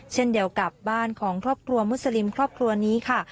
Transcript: เช่นเดียวกับบ้านของครอบครัวมุสลิมครอบครัวนี้ค่ะ